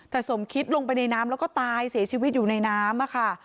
แต่สมคิดลงไปในน้ำแล้วก็ตายเสียชีวิตอยู่ในน้ำค่ะ